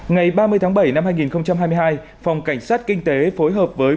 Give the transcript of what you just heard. ngày ba mươi tháng bảy năm hai nghìn hai mươi hai phòng cảnh sát kinh tế phối hợp với